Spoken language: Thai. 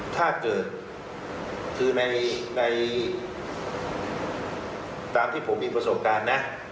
ถ้าเกิดคือในตามที่ผมมีประสบการณ์นะ